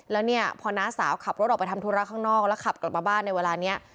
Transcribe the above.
แล้วเนี่ยพอน้าสาวขับรถออกไปทำธุระข้างนอกแล้วขับกลับมาบ้านในเวลานี้